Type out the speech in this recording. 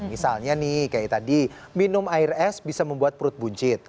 misalnya nih kayak tadi minum air es bisa membuat perut buncit